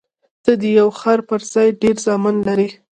ته د یو خر پر ځای ډېر زامن لرې.